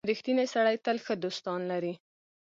• رښتینی سړی تل ښه دوستان لري.